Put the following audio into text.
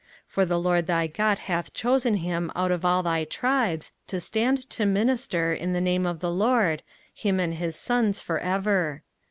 05:018:005 For the LORD thy God hath chosen him out of all thy tribes, to stand to minister in the name of the LORD, him and his sons for ever.